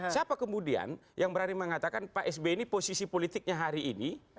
siapa kemudian yang berani mengatakan pak sby ini posisi politiknya hari ini